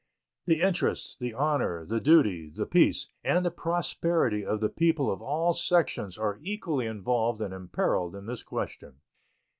The interests, the honor, the duty, the peace, and the prosperity of the people of all sections are equally involved and imperiled in this question.